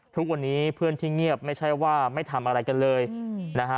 ทุกวันนี้เพื่อนที่เงียบไม่ใช่ว่าไม่ทำอะไรกันเลยนะฮะ